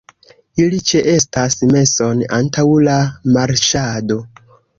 Ili ĉeestas meson antaŭ la marŝado.